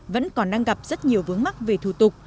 vẫn còn đang gặp rất nhiều vướng mắc về thủ tục